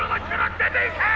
・出ていけー！